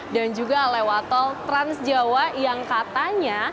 dan juga lewat tol transjawa yang katanya